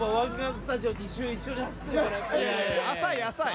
浅い浅い。